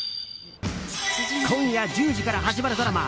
今夜１０時から始まるドラマ